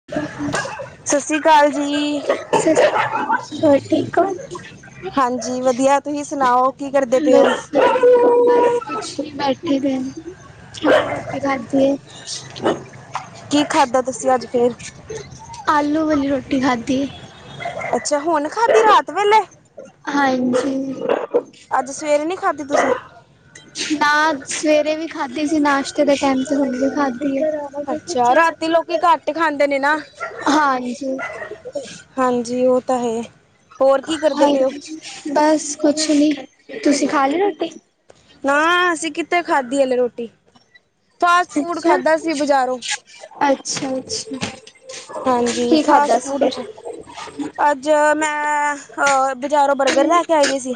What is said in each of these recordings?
ਹ [inaudible] ਸਤਿ ਸ਼੍ਰੀ ਅਕਾਲ ਜੀ। ਹੋਰ ਠੀਕ ਹੋ? ਹਾਂਜੀ, ਵਧੀਆ ਤੁਸੀਂ ਸੁਣਾਓ ਕੀ ਕਰਦੇ ਪਏ ਹੋ? ਬਸ ਬਸ ਕੁਛ ਨੀ ਬੈਠੇ ਦੇ ਹੁਣੇ ਰੋਟੀ ਖਾਦੀ ਏ। [unintelligible] ਕੀ ਖਾਧਾ ਤੁਸੀਂ ਅੱਜ ਫੇਰ? ਆਲੂ ਵਾਲੀ ਰੋਟੀ ਖਾਧੀਏ। ਅੱਛਾ ਹੁਣ ਖਾਧੀ ਰਾਤ ਵੇਲੇ। ਹਾਂਜੀ। ਅੱਜ ਸਵੇਰੇ ਨੀ ਖਾਧੀ ਤੁਸੀਂ? ਨਾ ਸਵੇਰੇ ਵੀ ਖਾਧੀ ਸੀ। ਨਾਸ਼ਤੇ ਦੇ ਟੈਮ ਤੇ ਹੁਣ ਵੀ ਖਾਧੀ ਏ। ਅੱਛਾ ਰਾਤੀ ਲੋਕੀ ਘੱਟ ਖਾਂਦੇ ਨੇ। ਨਾ ਹਾਂਜੀ ਹਾਂਜੀ ਉਹ ਤਾਂ ਹੈ ਹੋਰ ਕੀ ਕਰਦੇ ਹਾਂ ਪਏ ਹੋ ਬਸ ਕੁਛ ਨੀ ਤੁਸੀਂ ਖਾ ਲ ਰੋਟੀ ਨਾ ਅਸੀਂ ਕਿਥੇ ਖਾਧੀ ਹਲੇ ਰੋਟੀ ਫਾਸਟ ਫੂਡ ਅੱਛਾ ਖਾਧਾ ਸੀ ਬਜ਼ਾਰੋਂ ਅੱਛਾ, ਅੱਛਾ ਹਾਂਜੀ ਕੀ ਖਾਧਾ ਫਾਸਟ ਸੀ ਫੂਡ ਹੀ ਫਿਰ? ਖਾ ਅੱਜ ਮੈਂ ਬਜ਼ਾਰੋਂ ਬਰਗਰ ਲੈ ਕੇ ਆਈ ਦੀ ਸੀ।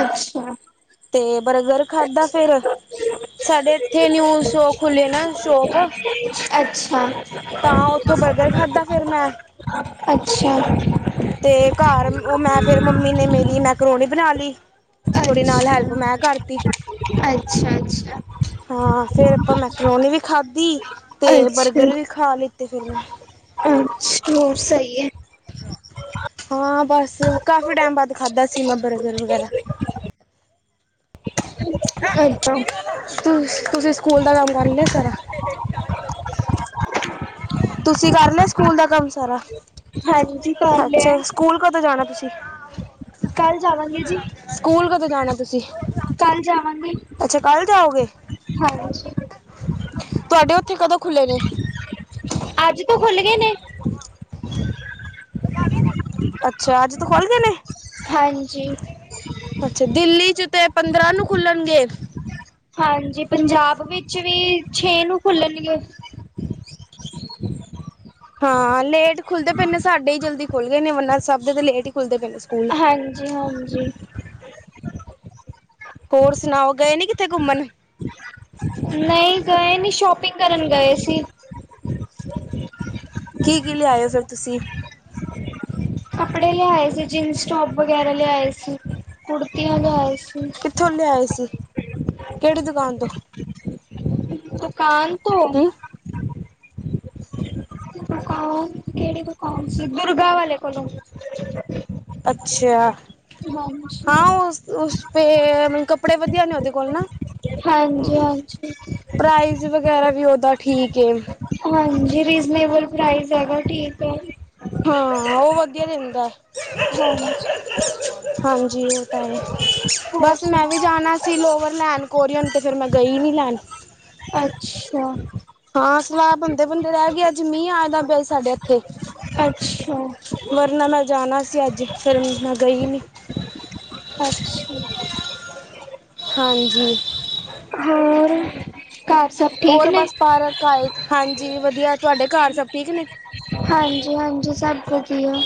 ਅੱਛਾ। ਤੇ ਬਰਗਰ ਖਾਧਾ ਫੇਰ ਤੇ ਸਾਡੇ ਇੱਥੇ ਨਿਊਜ ਸ਼ੋ ਖੁੱਲੇ ਨਾ। ਸ਼ੋਪ ਅੱਛਾ ਅੱਛਾ ਤਾਂ ਉੱਥੋਂ ਬਰਗਰ ਖਾਧਾ ਫਿਰ ਮੈਂ। ਅੱਛਾ। ਤੇ ਘਰ ਉਹ ਮੈਂ ਫੇਰ ਮੰਮੀ ਨੇ ਮੇਰੀ ਮੈਂਕਰੋਣੀ ਬਣਾ ਲਈ। ਥੋੜ੍ਹੀ ਨਾਲ ਹੈਲਪ ਮੈਂ ਕਰਤੀ। ਅੱਛਾ, ਅੱਛਾ। ਹਾਂ ਫੇਰ ਆਪਾਂ ਮੈਕਰੋਨੀ ਵੀ ਖਾਧੀ ਤੇ ਅੱਛਾ ਬਰਗਰ ਵੀ ਖਾ ਲਿੱਤੇ ਫਿਰ ਮੈਂ। ਅੱਛਾ ਹੋਰ ਸਹੀ ਹੈ ਹਾਂ ਬਸ ਕਾਫੀ ਟਾਈਮ ਬਾਅਦ ਖਾਧਾ ਸੀ ਮੈਂ ਬਰਗਰ ਵਗੈਰਾ ਅੱਛਾ ਤੁ ਤੁਸੀਂ ਸਕੂਲ ਦਾ ਕੰਮ ਕਰ ਲਿਆ ਸਰਾਰਾ [unintelligible] ਤੁਸੀਂ ਕਰ ਲ ਸਕੂਲ ਦਾ ਕੰਮ ਸਾਰਾ ਹਾਂਜੀ ਕਰ ਲਿਆ ਅੱਛਾ ਸਕੂਲ ਕਦੋਂ ਜਾਣਾ ਤੁਸੀਂ ਕੱਲ ਜਾਵਾਂਗੇ ਜੀ ਸਕੂਲ ਕਦੋਂ ਜਾਣਾ ਤੁਸੀਂ ਕੱਲ ਜਾਵਾਂਗੀ ਅੱਛਾ ਕੱਲ ਜਾਓਗੇ ਹਾਂਜੀ ਤੁਹਾਡੇ ਉੱਥੇ ਕਦੋਂ ਖੁੱਲ੍ਹੇ ਨੇ ਅੱਜ ਤੋਂ ੜ ਖੁੱਲ ਗਏ ਨਾਲ ਨੇ ਅੱਛਾ ਅੱਜ ਤੂੰ ਖੋਲਦੇ ਨੇ ਹਾਂਜੀ ਅੱਛਾ ਦਿੱਲੀ ਚ ਤੇ ਪੰਦਰਾਂ ਨੂੰ ਖੁੱਲਣਗੇ ਹਾਂਜੀ ਪੰਜਾਬ ਵਿੱਚ ਵੀ ਛੇ ਨੂੰ ਖੁੱਲਣਗੇ ਹਾਂ ਲੇਟ ਖੁੱਲਦੇ ਪਏਦੇ ਨੇ ਸਾਡੇ ਹੀ ਜਲਦੀ ਖੁੱਲ ਗਏ ਨੇੰਨਾ ਸਾਹਿਬ ਦੇ ਤੇ ਲੇਟ ਹੀ ਖੁੱਲਦੇ ਪਏ ਨੇ ਸਕੂਲ ਹਾਂਜੀ ਹਾਂਜੀ ਹੋਰ ਸੁਣਾਓ ਗਏ ਨੀ ਕਿੱਥੇ ਘੁੰਮਣ ਨਹੀਂ ਗਏ ਨੀ ਸ਼ੋਪਿੰਗ ਕਰਨ ਗਏ ਸੀ ਕੀ ਕੀ ਲਿਆਇ ਹੋ ਫਿਰ ਤੁਸੀਂ [unintelligible] ਕੱਪੜੇ ਲਿਆਏ ਸੀ ਜੀਨਸ ਟੋਪ ਵਗੈਰਾ ਲਿਆਏ ਸੀ ਕੁੜਤੀਆਂ ਲਿਆਏ ਸੀ ਲੇੇ ਆਏ ਸੀ ਕਿਹੜੀ ਦੁਕਾਨ ਤੋਂ ਦੁਕਾਨ ਤੋਂ ਹੂੰ ਦੁ ਕਿਹੜੀ ਦੁਕਾਨ ਦੁਰਗਾ ਵਾਲੇ ਕੋਲੋਂ ਅੱਛਾ ਹਾਂਜੀ ਹਾਂ ਉਸ ਉਸ ਮਤਲਬ ਕੱਪੜੇ ਵਧੀਆ ਨੇ ਉਹਦੇ ਕੋਲ ਨਾ ਹਾਂਜੀ ਹਾਂਜੀ ਪ੍ਰਾਈਜ਼ ਵਗੈਰਾ ਵੀ ਉੱਦਾਂ ਠੀਕ ਏ ਹਾਂਜੀ ਰੀਜ਼ਨੇਬਲ ਪ੍ਰਾਈਜ਼ ਹੈਗਾ ਠੀਕ ਹੈ ਹਾਂ, ਓ ਵਦੀਆ ਦੇਂਦਾ। [unintelligible] ਹਾਂਜੀ [unintelligible] ਓ ਤਾ ਐ। ਹੋਰ ਬਾੱਸ ਮੈਂ ਵੀ ਸੁਣਾਓ ਜਾਨਾ ਸੀ ਲੋਵਰ ਲੈਨ ਕੋਰੀਅਨ, ਤੇ ਫੇਰ ਮੈਂ ਗਈ ਨੀ ਲੈਨ। ਅੱਛਾ। ਹਾਂ, ਸਲਾ ਬਂਦੇ, ਬਂਦੇ ਰੈਗੀ ਅੱਜ ਮੀਂ ਆ ਜਾਂਦਾ ਸਾਡੇ ਏਥੇ ਅੱਛਾ ਮਰਨਾ ਮੈਂ ਜਾਣਾ ਸੀ ਅੱਜ ਫੇਿਰ ਮੈਂ ਗਈ ਨੀ ਅੱਛਾ ਹਾਂਜੀ ਹੋਰ ਘਰ ਸਭ ਠੀਕ ਹੋਰ ਨੇ ਬਸ ਪਾਰਕ ਆਏ ਹਾਂਜੀ ਵਧੀਆ ਤੁਹਾਡੇ ਘਰ ਸਭ ਠੀਕ ਨੇ ਹਾਂਜੀ ਹਾਂਜੀ ਸਭ ਵਧੀਆ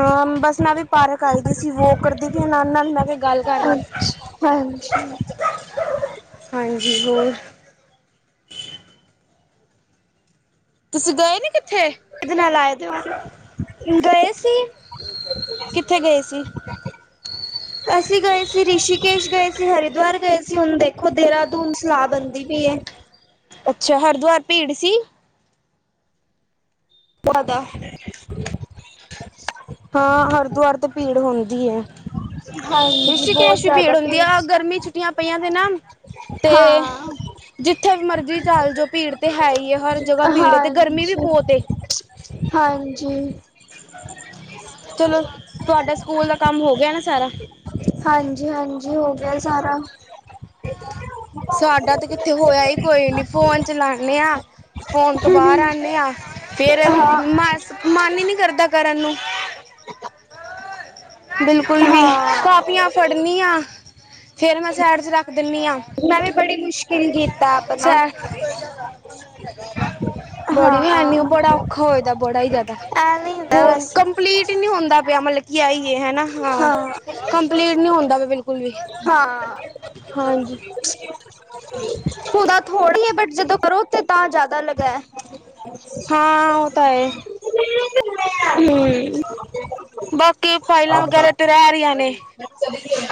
ਹਮ ਬਸ ਮੈਂ ਵੀ ਪਾਰਕ ਆਈ ਦੀ ਸੀ ਵੋ ਕਰਦੀ ਵੀ ਹਨ ਨਾਲ ਮੈਂ ਕਿਹਾ ਗੱਲ ਕਰ ਲਾ ਅੱਛਾ ਹਾਂਜੀ ਹਾਂਜੀ ਹੋਰ ਤੁਸੀਂ ਗਏ ਨੀ ਕਿੱਥੇ ਇਹ ਨਾਲ ਨਾਲ ਸੀ ਕਿੱਥੇ ਗਏ ਸੀ [unintelligible] ਅਸੀ ਗਏ ਸੀ। ਰਿਸ਼ੀਕੇਸ਼ ਗਏ ਸੀ, ਹਰਿਦੋਆਰ ਗਏ ਸੀ, ਹੁਨ ਦੇਖੋ ਦੇਰਾਦੂਨ ਸਲਾ ਬੰਦੀ ਪੀਏ। ਅੱਛਾ, ਹਰਦੋਆਰ ਭੀੜ ਸੀ? ਪਾਦਾ ਹਾਂ, ਹਰਦੋਆਰ ਤੇ ਭੀੜ ਹੋਂਦੀ ਏ। ਹਾਂਜੀ ਬਹੁਤ ਰਿਸ਼ੀਕੇਸ਼ ਵੀ ਜ਼ਿਆਦਾ ਭੀੜ ਹੁੰਦੀ ਆ, ਸੀ ਗਰਮੀ ਛੁੱਟੀਆਂ ਪਈਆਂ ਤੇ ਨਾ ਤੇ ਹਾਂ। ਜਿੱਥੇ ਮਰਜ਼ੀ ਚੱਲ ਜੋ, ਭੀੜ ਤੇ ਹੈਈ ਏ ਹਰ ਜਗਾ ਭੀੜ, ਤੇ ਗਰਮੀ ਵੀ ਹਾਂਜੀ, ਬੋਤ ਏ। ਹਾਂਜੀ। ਚਲੋ ਤੋਆਡੇ ਸਕੂਲ ਦਾ ਕਾਮ ਹੋਗੇਆ ਨਾ ਸਾਰਾ ਹਾਂਜੀ, ਹਾਂਜੀ, ਹੋਗੇਆ ਸਾਰਾ। ਸਾਡਾ ਤੇ ਕਿੱਥੇ ਹੋਏਆ ਈ ਕੋਈ ਨੀ ਫੋਨ ਚਲਾਨੇ ਆ। ਫੋਨ ਤੋ ਬਾਰ ਆਨੇ ਆ, ਫੇਰ ਹਾਂ, ਮਾ ਮਾਨ ਈ ਨੀ ਕਰਦਾ ਕਰਨ ਨੂੰ ਬਿਲਕੁਲ ਵੀ ਹਾਂ ਕੋਪੀਆਂ ਫੜਨੀ ਆਂ, ਫੇਰ ਮੈਂ ਸੈਡ ਚ ਰਾੱਖ ਦੇਂਨੀ ਆਂ। ਮੈਂ ਵੀ ਬੜੀ ਮੁਸ਼ਕਿਲ ਕੀਤਾ ਆਪਨਾ ਸੈ ਬੜੀ ਹੈਨੀ ਓ ਬੜਾ ਓਖਾ ਹੋਏਦਾ ਬੜਾ ਈ ਜੈਦਾ, ਐਵੇਂ ਹੀ ਹੁੰਦਾ ਹੋਨ ਬਸ ਕੰਪਲੀਟ ਨੀ ਹੋਂਦਾ ਪੇਆ ਮਲਬ [unintelligible] ਹੈਨਾ ਹਾਂ, ਕੰਪਲੀਟ ਨੀ ਹੋਂਦਾ ਪੇ ਬਿਲਕੁਲ ਵੀ ਹਾਂ। ਹਾਂਜੀ। ਹੁਦਾ ਥੋੜੀ ਏ, ਬਟ ਜਦੋ ਕਰੋ ਤੇ ਤਾਂ ਜੈਦਾ ਲਗਾ ਹਾਂ ਉਹ ਤਾਂ ਹੈ ਬਾਕੀ ਫਾਈਲਾਂ ਵਗੈਰਾ ਤੇ ਰੈ ਰਈਆਂ ਨੇ।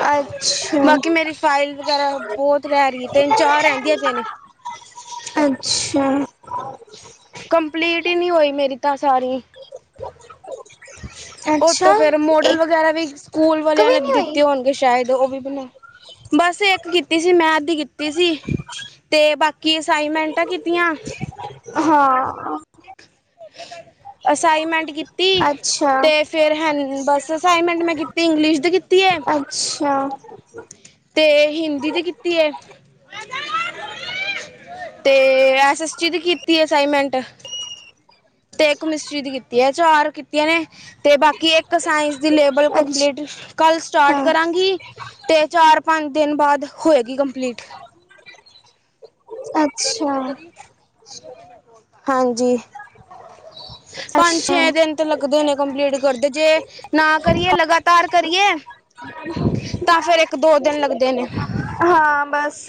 ਅੱਛਾ। ਬਾਕੀ ਮੇਰੀ ਫਾਈਲ ਵਗੈਰਾ ਬੋਤ ਰੈਰੀ ਏ, ਤੇੰਨ ਚਾਰ ਰੈਂਦੀਆਂ ਪੇ ਨੇ ਅੱਛਾ। [unintelligible] ਕੰਪਲੀਟ ਈ ਨੀ ਹੋਈ ਮੇਰੀ ਤਾ ਸਾਰੀ ਓਤੋ ਅੱਛਾ ਫੇਰ ਇੱਕ ਮੋਡਲ ਇੱਕ ਵਗੈਰਾ ਵੀ ਸਕੂਲ ਵਾਲੇਆਂ ਵੀ ਨੇ ਨੀ ਹੋਈ ਦਿੱਤੇ ਹੋਨਗੇ ਸ਼ਾਏਦ ਓਵੀ ਬਨਾ, ਬਾੱਸ ਏਕ ਕੀਤੀ ਸੀ ਮੈਂਧ ਦੀ ਕੀਤੀ ਸੀ, ਤੇ ਬਾਕੀ ਕੀ ਅਸਾਈ‌ਮੈਂਟਾਂ ਕੀਤੀਆਂ। ਹਾਂ। ਅਸਾਈਮੈਂਟ ਕੀਤੀ, ਅੱਛਾ, ਤੇ ਫੇਰ ਹੈ ਬਸ ਅਸਾਈਨਮੈਂਟ ਮੈਂ ਕੀਤੀ ਇੰਗਲਿਸ਼ ਦੀ ਕੀਤੀ ਹੈ ਅੱਛਾ ਤੇ ਹਿੰਦੀ ਤੇ ਕੀਤੀ ਹੈ ਹ ਤੇ ਐਸ ਐਸਟੀ ਦੀ ਕੀਤੀ ਅਸਾਈਨਮੈਂਟ ਤੇ ਇੱਕ ਮਿਸਤਰੀ ਦੀ ਕੀਤੀ ਹੈ ਚਾਰ ਕੀਤੀਆਂ ਨੇ ਤੇ ਬਾਕੀ ਏਕ ਸਾਇੰਸ ਦੀ ਲੇਬਲ ਅੱਛਾ। ਕੰਪਲੀਟ ਕਾੱਲ ਅੱਛਾ, ਸਟਾਟ ਕਰਾਂਗੀ, ਤੇ ਚਾਰ ਪਾੰਜ ਦੇਨ ਬਾਦ ਹੋਏਗੀ ਕੰਪਲੀਟ ਅ ਹਾਂਜੀ। ਪਾੰਜ ਅੱਛਾ ਛੇ ਦੇਨ ਤੇ ਲੱਗਦੇ ਨੇ ਕੰਪਲੀਟ ਕਰਦੇ, ਜੇ ਨਾ ਕਰੀਏ ਲਗਾ ਤਾਰ ਕਰੀਏ, ਤਾਂ ਫੇਰ ਏਕ ਦੋ ਦੇਨ ਲੱਗਦੇ ਨੇ। ਹਾਂ, ਬਾੱਸ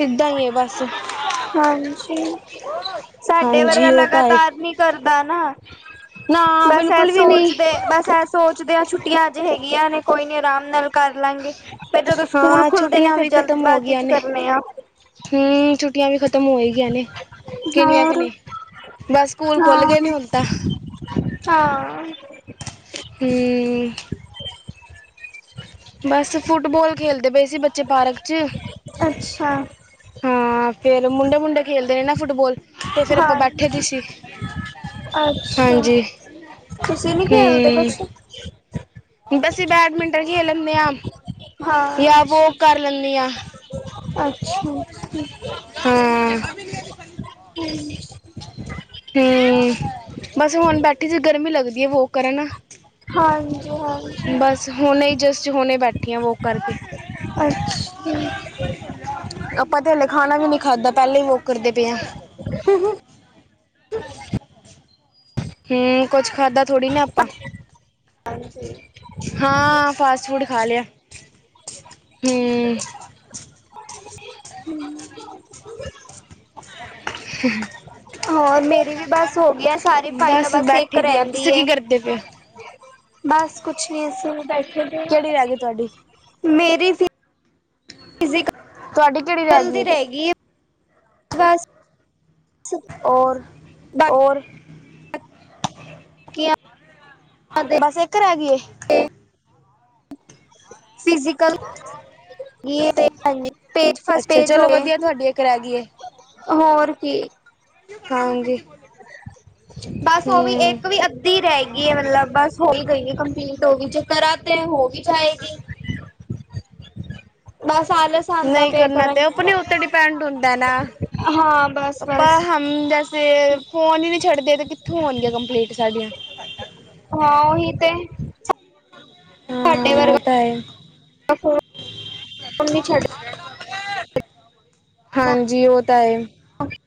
ਇਦਾਂ ਈ ਏ ਬਾੱਸ [unintelligible] ਹਾਂਜੀ, ਸਾਡੇ ਵਰਗਾ ਹਾਂਜੀ ਉਹ ਤਾਂ ਹੈ ਲਗਾਤਾਰ ਨੀ ਕਰਦਾ ਨਾ ਨਾ ਬਾੱਸ ਏ ਬਿਲਕੁਲ ਵੀ ਨਹੀਂ ਸੋਚਦੇ, ਬਾੱਸ ਏ ਸੋਚਦੇ ਆ ਛੁੱਟੀਆਂ ਆੱਜ ਹੈਗੀਆਂ ਨੇ ਕੋਈ ਨੀ ਆਰਾਮ ਨਾਲ ਕਾਰ ਲਾਂਗੇ, ਫੇਰ ਜਦੋਂ ਸਕੂਲ ਹਾਂ ਖੁੱਲਦੇ ਨੇ ਛੁੱਟੀਆਂ ਫੇਰ ਵੀ ਖਤਮ ਹੋ ਜਲਦਬਾਜ਼ੀ ਗਈਆਂ ਚ ਨੇ ਕਰਨੇ ਆ। ਹਮ ਛੋਟੀਆਂ ਵੀ ਖ਼ਤਮ ਹੋ ਹੀਗਈ ਨੇ ਕਿਨੀਆਂ ਕਿ ਹੋਰ ਨੇ ਬਸ ਸਕੂਲ ਖੁੱਲ ਗ ਨੀ ਹਾਂ ਹੁੰਣ ਤਾਂ, ਹਾਂ ਹਮ ਬਸ ਫੁੱਟਬਾਲ ਖੇਲਦੇ ਪਏ ਸੀ ਬੱਚੇ ਪਾਰਕ ਚ ਅੱਛਾ ਹਾਂ ਫੇਰ ਮੁੰਡੇ ਮੁੰਡੇ ਖੇਲਦੇ ਨੇ ਨਾ ਫੁੱਟਬੋਾਲ ਤੇ ਫਿਰ ਆਪਾਂ ਹਾਂ ਬੈਠੇ ਦੀ ਸੀ ਅੱਛਾ ਹਾਂਜੀ ਤੁਸੀਂ ਨੀ ਖੇਲਦੇ ਕੁਛ ਬਸੀ ਬੈਡਮਿੰਟਨ ਖੇਲ ਲੈਂਦੇ ਹਾਂ ਹਾਂ ਜਾਂ ਵੋ ਅੱਛਾ ਕਰ ਲੈਂਦੇ ਹਾਂ ਅੱਛਾ ਅੱਛਾ ਹਾਂ। ਹਮ ਹਮ ਬਸ ਹੁਣ ਬੈਠੀ ਜੇ ਗਰਮੀ ਲੱਗਦੀ ਹੈ ਵੋ ਕਰਨ ਹਾਂਜੀ ਬਸ ਹੁਣੇ ਹੀ ਜਿਸ ਹੁਣੇ ਬੈਠੀ ਆ ਵੋ ਕਰਕੇ ਅੱਛ ਆਪਾਂ ਤੇ ਹਲੇ ਖਾਣਾ ਵੀ ਨੀ ਖਾਧਦਾ ਪਹਿਲੇ ਹੀ ਉਹ ਕਰਦੇ ਪਏ ਆ ਹਮ ਹਮ ਹਮ ਕੁਛ ਖਾਧਾ ਥੋੜ੍ਹੀ ਨਾ ਆਪਾਂ ਹਾਂਜੀ ਹਾਂ ਫਾਸਟ ਫੂਡ ਖਾ ਲਿਆ ਹ ਹਮ ਹ ਹੋਰ ਮੇਰੀ ਵੀ ਬਸ ਹੋਗ ਸਾਰੀ ਫਾਈਲਾਂ ਬਸ ਇੱਕ ਬੈਠੀ ਦੀ ਆ ਰਹਿੰਦੀ ਤੁਸੀਂ ਕੀ ਕਰਦੇ ਪਿਆ ਬਸ ਕੁਛ ਨੀ ਅ ਬੈਠੇ ਕਿਹੜੀ ਰਹਿ ਗਈ ਤੁਹਾਡੀ ਮੇਰੀ ਵੀ ਫ ਤੁਹਾਡੀ ਕਿਹੜੀ ਰਹਿ ਗਈ ਜਲਦੀ ਏ ਰਹੇਗੀ ਬਸ ਹੋਰ ਰ ਬਾਕੀਆਂ ਦੇ ਬੱਸ ਇੱਕ ਰਹਿਗੀ ਏ ਫਿ [unintelligible] ਕੱਲ ਹਾਂਜੀ ਪੇਜ ਫਸਟ ਅੱਛਾ ਪੇਜ ਹੋ ਚਲੋ ਗਏ। ਵਧੀਆ ਤੁਹਾਡੀ ਇੱਕ ਰਹਿ ਗਈ ਏ ਹੋਰ ਕੀ? ਹਾਂਜੀ। ਬਸ ਉਹ ਵੀ ਹੂੰ ਇੱਕ ਵੀ ਅੱਧੀ ਰਹਿ ਗਈ ਹੈ ਮਤਲਬ ਬਸ। ਹੋਈ ਗਏਗੀ ਕੰਪਲੀਟ ਹੋ ਵੀ ਜ ਕਰਾਂ ਤੇ ਹੋ ਵੀ ਜਾਏਗੀ। ਬਸ ਆਲਸ। ਆਂਦਾ ਨਹੀਂ ਪਿਆ ਕਰਨਾ ਤੇ ਕਰਾਂਗੀ ਆਪਣੇ ਉੱਤੇ ਡਿਪੈਂਡ ਹੁੰਦਾ ਨਾ। ਹਾਂ ਬਸ- ਬਸ। ਵੈਸੇ ਫੋਨ ਹੀ ਨਹੀਂ ਛੱਡਦੇ ਤੇ ਕਿੱਥੋਂ ਆਣਗੀਆਂ ਕੰਪਲੀਂਟ ਸਾਡੀਆਂ। ਹਾਂ ਹੀ ਤੇ। ਹਮ। ਤੁਹਾਡੇ ਵਰਗਾ। ਤੇ। [unintelligible] ਛੱਡ ਹਾਂਜੀ ਉਹ ਤਾਂ ਹੈ ਅੱਛ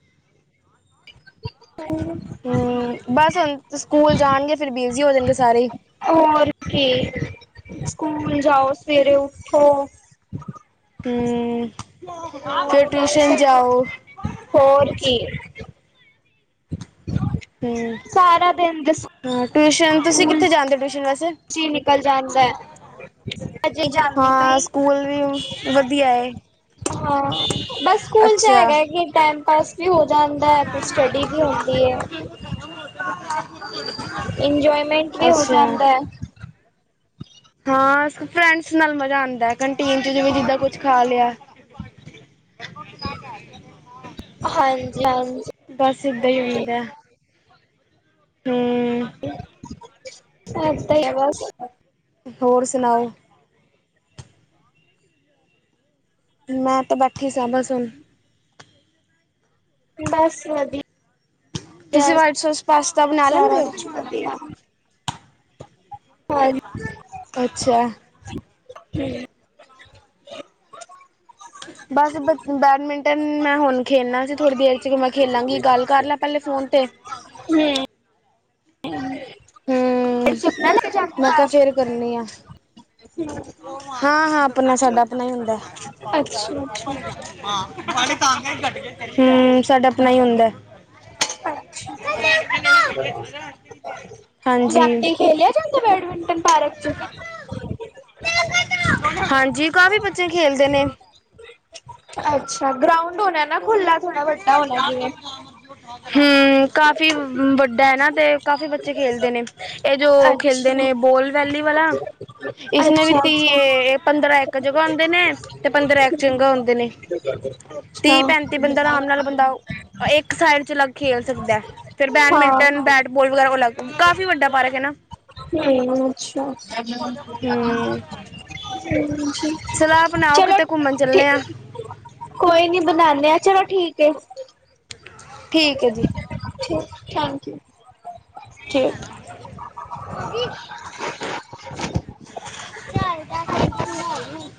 [unintelligible] ਹਠ ਹਮ ਬਸ ਹੁਣ ਸਕੂਲ ਜਾਣਗੇ ਫਰ ਬਿਜੀ ਹੋ ਦੇਣਗੇ ਸਾਰੇ ਹੀ ਹੋਰ ਕੀ ਸਕੂਲ ਜਾਓ ਸਵੇਰੇ ਉੱਠੋ ਹਮ ਫਿਰ ਬਸ ਟਿਊਸ਼ਨ ਜਾਓ। ਹੋਰ ਕੀ? ਹੂੰ ਸਾਰਾ ਦਿਨ ਦੱਸੋ। ਹਾਂ ਟਿਊਸ਼ਨ ਤੁਸੀਂ ਕਿੱਥੇ ਜਾਂਦੇ ਹੋ ਟਿਊਸ਼ਨ ਵਸੇਂ। ਨਿਕਲ ਜਾਂਦਾ ਹਜੇ ਜਾਂਦੀ ਹਾਂ ਪਈ। ਸਕੂਲ ਵੀ ਵਧੀਆ ਏ ਹਾਂ ਬਸ ਸਕੂਲ ਚ ਅੱਛਾ ਹੈਗਾ ਕੀ ਟਾਈਮ ਪਾਸ। ਵੀ ਹੋ ਜਾਂਦਾ ਹੈ ਤੇ ਸਟੱਡੀ ਵੀ ਹੁੰਦੀ ਹੈ। ਇੰਜੋਏਮੈਂਟ ਵੀ ਹੋ ਅੱਛਾ ਜਾਂਦਾ ਹੈ। ਹਾਂ ਫਰੈਂਡਸ ਨਾਲ ਮਜ਼ਾ ਆਉਂਦਾ ਕੰਟੀਨ ਚ ਜਿ ਵੀ ਜਿਦਾਂ ਕੁਛ ਖਾ ਲਿਆ। ਹਾਂਜੀ ਹਾਂਜੀ [unintelligible] ਬਸ ਇਦਾ ਹੀ ਹੁੰਦਾ ਹਮ। ਇਦਾਂ ਹੀ ਇਹ ਬਸ। ਹੋਰ ਸੁਣਾਓ। ਮੈਂ ਤੇ ਬਾਕੀ। ਹਿਸਾਬਸ ਹੁਣ। ਬਸ ਵਧੀਆ ਤੁਸੀਂ ਵਾਈਟ ਸੋਸ ਪਾਸਤਾ ਬਣਾ ਸਾਰਾ ਲੈਂਦੇ ਕੁਛ ਹੋ ਵਧੀਆ। ਹਾਂਜੀ। ਅੱਛਾ। ਬਸ ਬ ਬੈਡਮਿੰਟਨ ਮੈਂ ਹੁਣ ਖੇਲਣਾ ਸੀ ਥੋੜ੍ਹੀ ਦੇਰ। ਚ ਮੈਂ ਖੇਲਾਂਗੀ ਗੱਲ ਕਰ ਲੈ ਪਹਿਲੇ ਫੋਨ ਤੇ। ਹਮ। ਹਮ ਹੂੰ ਸੁਪਨਾ ਲੈ ਕੇ ਜਾਂਦੀ ਮੈਂ ਬਾਹਰ ਕਿਹਾ ਫਿਰ ਕਰਨੀ ਆਂ। ਹਾਂ- ਹਾਂ ਆਪਣਾ ਸਾਡਾ ਆਪਣਾ ਹੀ ਹੁੰਦਾ। ਹੇ ਅੱਛਾ ਅੱਛਾ ਤਾਂਗ ਘੱਟ ਗਏ। ਹਮ ਸਾਡਾ ਆਪਣਾ ਹੀ ਹੁੰਦਾ। ਅੱਛਾ ਹਾਂਜੀ ਬੈਠ ਖੇਲਿਆ ਜਾਂਦਾ ਬੈਡਮਿੰੰਟਨ ਪਾਰਕ ਚ। ਹਾਂਜੀ ਕਾਫੀ ਬੱਚੇ ਖੇਲਦੇ ਨੇ। ਅੱਛਾ ਗਰਾਉਂਡ ਹੋਣਾ ਨਾ ਖੁੱਲਾ ਥੋੜ੍ਹਾ ਵੱਡਾ ਹੋਣਾ ਜਵੇਂ। ਹਮ ਕਾਫੀ ਵੱਡਾ ਹੈ ਨਾ ਤੇ ਕਾਫੀ ਬੱਚੇ ਖੇਲਦੇ ਨੇ। ਇਹ ਜੋ ਖੇਲਦੇ ਅੱਛਾ ਨੇ ਬੋਲ ਵੈਲੀ ਵਾਲਾ, ਇਸਨੇ ਵੀ ਅੱਛਾ ਤੀ ਅੱਛਾ ਇਹ ਪੰਦਰਾਂ ਇੱਕ ਜਗ੍ਹਾ ਹੁੰਦੇ ਨੇ, ਤੇ ਪੰਦਰਾਂ ਇੱਕ ਚੰਗਾ ਹੁੰਂਦੇ ਨੇ ਅੱਛਾ ਤੀਹ ਪੈਂਤੀ ਬੰਦਾ ਆਰਾਮ ਨਾਲ ਬੰਦਾ ਇੱਕ ਸਾਈਡ ਚ ਅਲੱਗ ਖੇਲ ਸਕਦਾ ਹੈ। ਫੇਰ ਹਾਂ ਬੈਡਮਿੰਟਨ ਹਮ ਬੈਟ ਬੋਲ ਵਗੈਰਾ ਅਲੱਗ ਕਾਫ਼ੀ ਵੱਡਾ ਪਾਰਕ ਹੈ ਨਾ ਹਮ, ਅੱਛਾ ਹੂੰ ਸਲਾਹ [unintelligible] ਬਣਾਓ ਚਲੋ ਕਿਤੇ ਘੁੰਮਣ ਠੀ ਚੱਲਣੇ ਆ ਕੋਈ ਨੀ ਬਣਾਨੇ ਆ ਚਲੋ ਠੀਕ ਏ। ਠੀਕ ਹੈ ਜੀ। ਠੀਕ ਥੈਂਕ ਯੂ। ਠੀਕ [unintelligible]